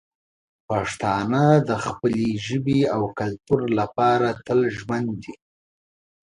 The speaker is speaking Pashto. پښتانه د خپلې ژبې او کلتور لپاره تل ژمن دي.